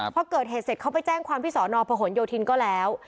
พอเกิดเหตุเสร็จเขาไปแจ้งความที่สอนอพหนโยธินก็แล้ว